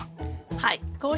はい。